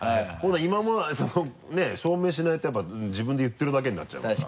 今までそのね証明しないとやっぱ自分で言ってるだけになっちゃいますから。